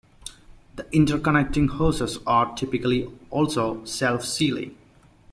The interconnecting hoses are typically also self-sealing.